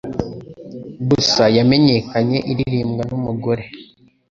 Gusa yamenyekanye iririmbwa n'umugore